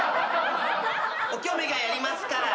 おきょめがやりますから。